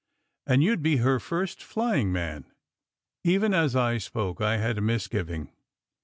And you d be her first flying man." Even as I spoke I had a misgiving.